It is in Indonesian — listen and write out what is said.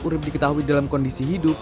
urib diketahui dalam kondisi hidup